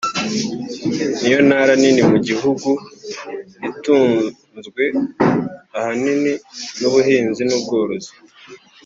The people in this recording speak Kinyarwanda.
niyo ntara nini mu gihugu itunzwe ahanini n’ubuhinzi n’ubworozi